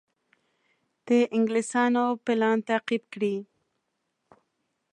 د انګلیسیانو پلان تعقیب کړي.